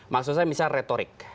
maksud saya misalnya retorik